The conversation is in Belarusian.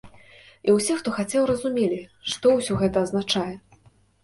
І ўсе, хто хацеў, разумелі, што ўсё гэта азначае.